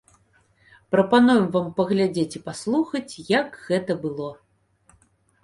Прапануем вам паглядзець і паслухаць, як гэта было.